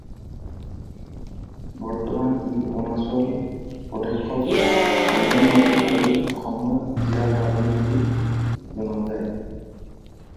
বৰ্তমান ই অৰুণাচল প্ৰদেশত কামেং নদী আৰু অসমত জীয়া ভৰলী বুলি জনা যায়।